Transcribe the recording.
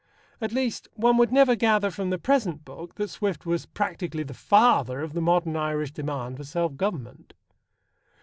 At least, one would never gather from the present book that Swift was practically the father of the modern Irish demand for self government.